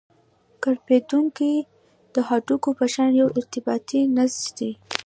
کرپندوکي د هډوکو په شان یو ارتباطي نسج دي.